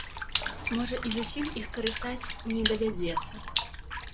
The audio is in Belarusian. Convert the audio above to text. Можа, і зусім іх карыстаць не давядзецца.